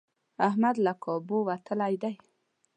احمد له کابو وتلی دی.